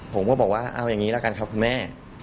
ผมก็บอกว่าเอาอย่างนี้ละกันครับคุณแม่